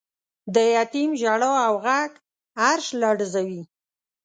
د یتیم ژړا او غږ عرش لړزوی.